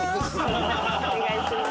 お願いしまーす。